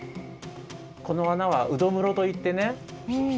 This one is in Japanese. このあなはうどむろといってね